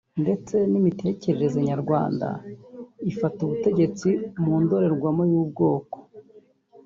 ndetse n’imitekerereze nyarwanda ifata ubutegetsi mu indorerwamo y’ubwoko